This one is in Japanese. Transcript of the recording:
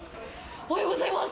おはようございます。